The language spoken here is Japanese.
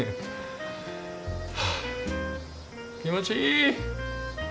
はあ気持ちいい！